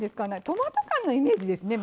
トマト缶のイメージですね。